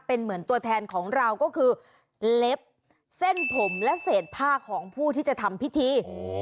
เป็นเหมือนตัวแทนของเราก็คือเล็บเส้นผมและเศษผ้าของผู้ที่จะทำพิธี